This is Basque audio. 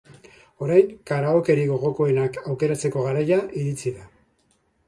Orain, karaokerik gogokoenak aukeratzeko garaia iritsi da.